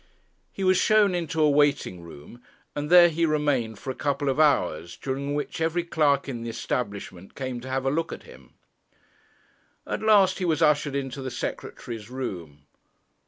He was shown into a waiting room, and there he remained for a couple of hours, during which every clerk in the establishment came to have a look at him. At last he was ushered into the Secretary's room.